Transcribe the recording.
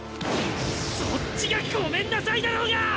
そっちが「ごめんなさい」だろうが！